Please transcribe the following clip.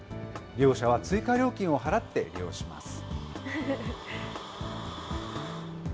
利用者は追加料金を払って利用します。